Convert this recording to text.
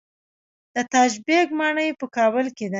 د تاج بیګ ماڼۍ په کابل کې ده